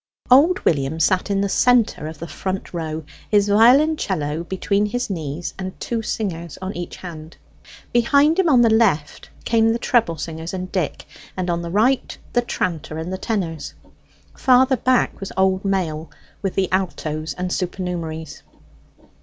Old William sat in the centre of the front row, his violoncello between his knees and two singers on each hand. Behind him, on the left, came the treble singers and Dick; and on the right the tranter and the tenors. Farther back was old Mail with the altos and supernumeraries.